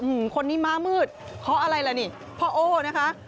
อืมคนนี้มามืดเค้าอะไรละนี่พอโอนะคะ